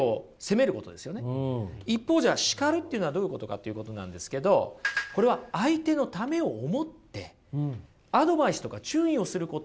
一方じゃ叱るというのはどういうことかっていうことなんですけどこれは相手のためを思ってアドバイスとか注意をすることなんですね。